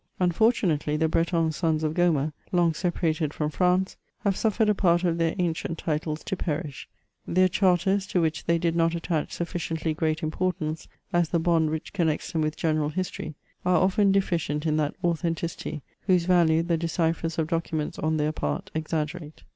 Un fortunately, the Breton sons of Gomer, long separated from France, haye suffered a part of their ancient titles to perish; their charters, to which they did not attach sufficiently great importance as the bond which connects them with general history, are often deficient in that authenticity, whose value the decipherers of documents on their part exaggerate.